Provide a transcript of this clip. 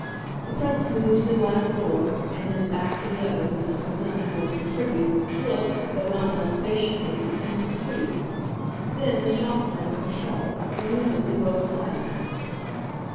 The Prince moved to the glass door and, his back to the others, as with nothing more to contribute, looked though not less patiently into the street. Then the shopman, for Charlotte, momentously broke silence.